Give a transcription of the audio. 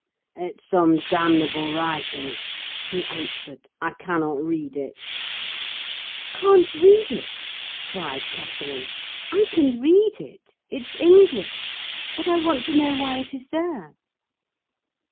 "It's some damnable writing," he answered. "I cannot read it." "Can't read it?" cried Catherine; "I can read it: it's English. But I want to know why it is there."